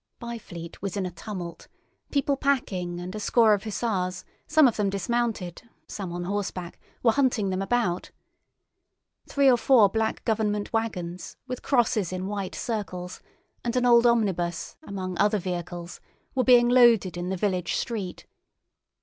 Byfleet was in a tumult; people packing, and a score of hussars, some of them dismounted, some on horseback, were hunting them about. Three or four black government waggons, with crosses in white circles, and an old omnibus, among other vehicles, were being loaded in the village street.